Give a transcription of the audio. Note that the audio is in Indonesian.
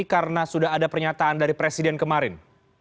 karena sudah ada pernyataan dari presiden kemarin